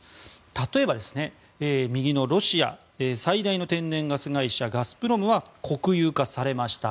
例えば、右のロシア最大の天然ガス会社ガスプロムは国有化されました。